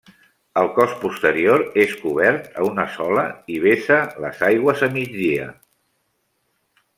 El cos posterior és cobert a una sola i vessa les aigües a migdia.